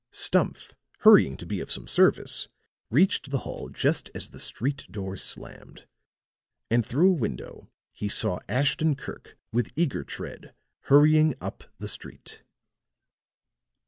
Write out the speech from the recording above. Stumph, hurrying to be of some service, reached the hall just as the street door slammed; and through a window he saw Ashton Kirk, with eager tread, hurrying up the street.